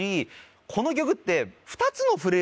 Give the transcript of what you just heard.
この曲って。